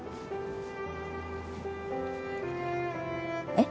えっ？